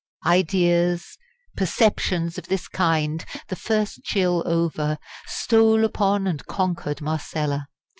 Ideas, perceptions of this kind the first chill over stole upon and conquered Marcella.